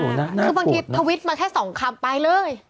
คือบางทีทวิตมาแค่๒คำไปเลย